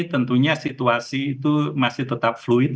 tentunya situasi itu masih tetap fluid